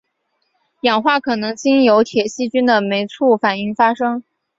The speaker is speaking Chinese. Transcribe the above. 氧化可能经由铁细菌的酶促反应发生。